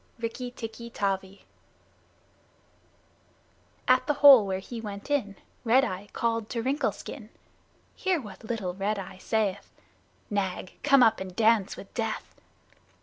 "Rikki Tikki Tavi" At the hole where he went in Red Eye called to Wrinkle Skin. Hear what little Red Eye saith: "Nag, come up and dance with death!"